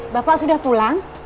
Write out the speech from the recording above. bapak sudah pulang